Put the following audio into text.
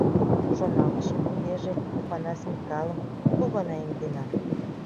Шоналтышым: тугеже, Опанас Микалым лу гана эҥденам.